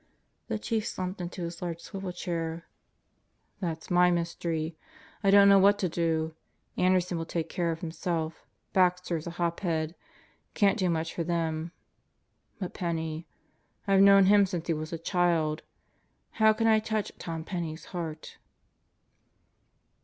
The Chief slumped into his large swivel chair. "That's my mystery. I don't know what to do. Anderson will take care of himself. Baxter is a hop head. Can't do much for them. But Penney ... I've known him since he was a child. How can I touch Tom Penney's heart?"